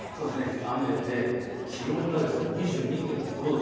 雨で気温が２２．５度。